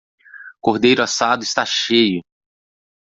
Cordeiro assado está cheio